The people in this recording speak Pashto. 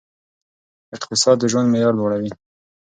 اقتصاد د ژوند معیار لوړوي.